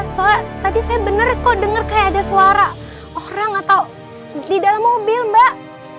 soalnya tadi saya benar kok denger kayak ada suara orang atau di dalam mobil mbak